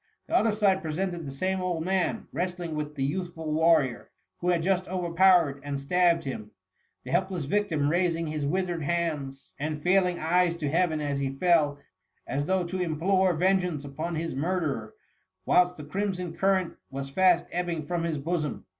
The other side presented the same old man wrestling with the youthful warrior, who had just overpowered and stabbed him ; the helpless victim raising his withered hands and failing eyes to Heaven as he fell, as though to implore THE MUMMY. 215 Tengeance upon his murderer, whilst the crimson current was fast ebbing from his bosom.